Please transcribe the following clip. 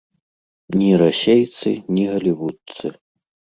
Ні расейцы, ні галівудцы.